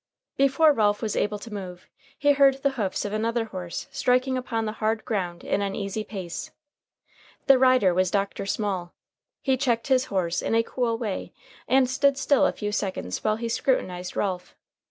Before Ralph was able to move, he heard the hoofs of another horse striking upon the hard ground in an easy pace. The rider was Dr. Small. He checked his horse in a cool way, and stood still a few seconds while he scrutinized Ralph.